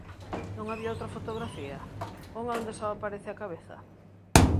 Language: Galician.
Non había outra fotografía? Unha onde só aparece a cabeza?